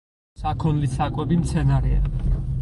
საქონლის საკვები მცენარეა.